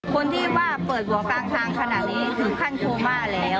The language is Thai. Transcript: คนที่ว่าเปิดหัวกลางทางขนาดนี้ถึงขั้นโคม่าแล้ว